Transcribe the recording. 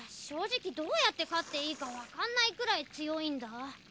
正直どうやって勝っていいかわかんないくらい強いんだ。